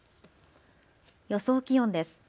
予想気温です。